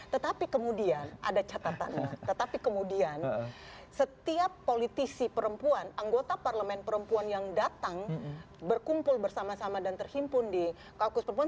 tetapi kemudian ada catatannya tetapi kemudian setiap politisi perempuan anggota parlemen perempuan yang datang berkumpul bersama sama dan terhimpun di kaukus perempuan